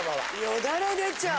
よだれ出ちゃう。